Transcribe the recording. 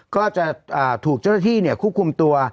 ก็จะถูกเจ้าที่เนี่ยคุกคุมตัว